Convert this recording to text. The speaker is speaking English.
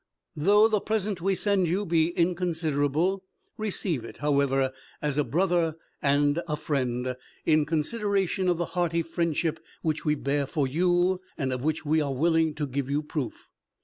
"Though the present we send you be inconsiderable, receive it, however, as a brother and a friend, in consideration of the hearty friendship which we bear for you, and of which we are willing to give you proof.